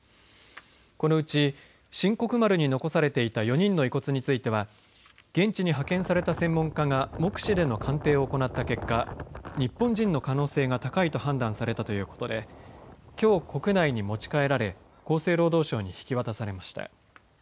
このうち神国丸に残されていた４人の遺骨については現地に派遣された専門家が目視での鑑定を行った結果日本人の可能性が高いと判断されたということできょう、国内に持ち帰られ厚生労働省に引き渡されました。